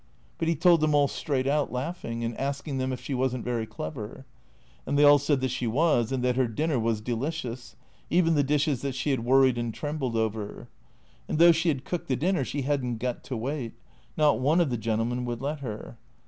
But he told them all straight out, laughing, and ask ing them if she was n't very clever ? And they all said that she was, and that her dinner was delicious; even the dishes that she had worried and trembled over. And though she had cooked the dinner, she had. n't got to wait. Not one of the gentlemen would let her.